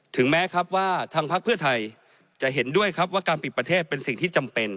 แม้ครับว่าทางพักเพื่อไทยจะเห็นด้วยครับว่าการปิดประเทศเป็นสิ่งที่จำเป็น